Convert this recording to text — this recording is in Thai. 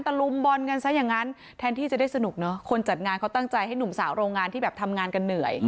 ลุมบอลกันซะอย่างนั้นแทนที่จะได้สนุกเนอะคนจัดงานเขาตั้งใจให้หนุ่มสาวโรงงานที่แบบทำงานกันเหนื่อย